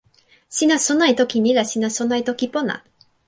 sina sona e toki ni la sina sona e toki pona!